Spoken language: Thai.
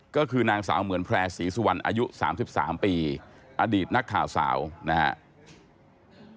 ก็คือนางสาวเหมือนแพร่ศรีสุวรรณอายุ๓๓ปีอดีตนักข่าวสาวนะครับ